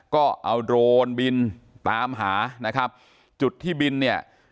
ก็เอาโดรนบินตามหานะครับจุดที่บินเนี่ย